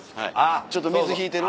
ちょっと水引いてる？